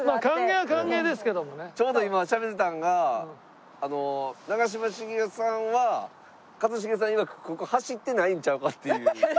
ちょうど今しゃべってたんが長嶋茂雄さんは一茂さんいわくここ走ってないんちゃうかっていう。